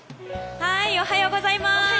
おはようございます。